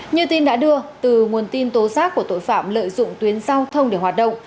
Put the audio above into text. như tin đã đưa từ nguồn tin tố giác của tội phạm lợi dụng tuyến giao thông để hoạt động